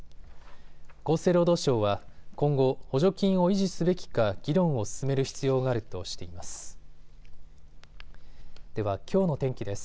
厚生労働省は今後、補助金を維持すべきか議論を進める必要があるとしています。